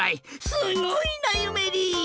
すごいなゆめり！